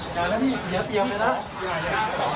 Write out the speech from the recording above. คือนี่ถ้าทีมงานของ